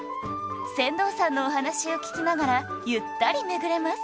船頭さんのお話を聞きながらゆったり巡れます